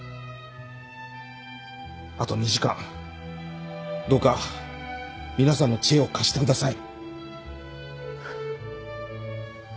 あと２時間どうか皆さんの知恵を貸してください。